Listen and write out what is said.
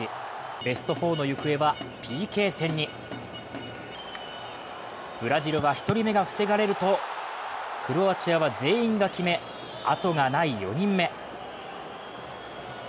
ベスト４の行方はＰＫ戦にブラジルは１人目が防がれるとクロアチアは全員が決めあとがない４人目。